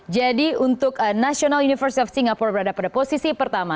jadi untuk national university of singapore berada pada posisi pertama